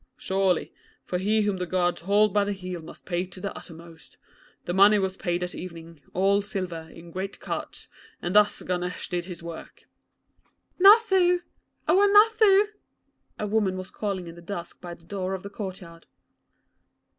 'Surely, for he whom the Gods hold by the heel must pay to the uttermost. The money was paid at evening, all silver, in great carts, and thus Ganesh did his work.' 'Nathu! Oh^e Nathu!' A woman was calling in the dusk by the door of the courtyard.